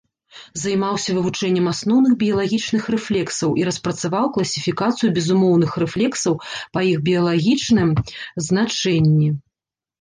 Займаўся вывучэннем асноўных біялагічных рэфлексаў і распрацаваў класіфікацыю безумоўных рэфлексаў па іх біялагічным значэнні.